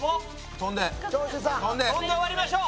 「飛んで終わりましょう！」